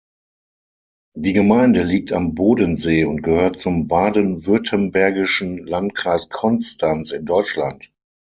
Die Gemeinde liegt am Bodensee und gehört zum baden-württembergischen Landkreis Konstanz in Deutschland.